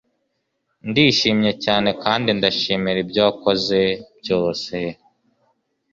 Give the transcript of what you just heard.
ndishimye cyane kandi ndashimira ibyo wakoze byose